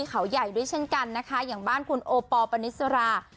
เขาใหญ่ด้วยเช่นกันนะคะอย่างบ้านคุณโอปอลปณิสรา